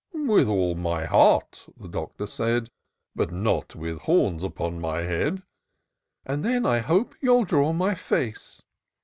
" With all my heart," the Doctor said, " But not with horns upon my head." "And then I hope you'll draw my face."